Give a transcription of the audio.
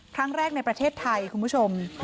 ครั้งแรกในประเทศไทยคุณผู้ชม